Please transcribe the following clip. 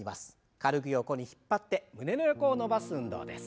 軽く横に引っ張って胸の横を伸ばす運動です。